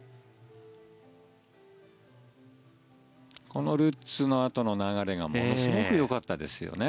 このルッツのあとの流れがものすごくよかったですよね。